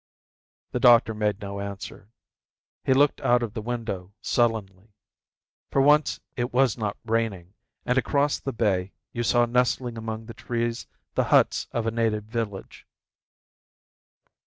The doctor made no answer. He looked out of the window sullenly. For once it was not raining and across the bay you saw nestling among the trees the huts of a native village.